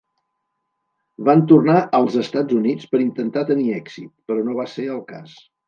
Van tornar als Estats Units per intentar tenir èxit, però no va ser el cas.